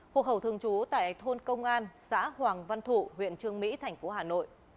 hộ khẩu thường trú tại thôn công an xã hoàng văn thụ huyện trương mỹ thành phố hà nội